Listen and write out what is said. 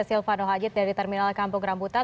silvano hajid dari terminal kampung rambutan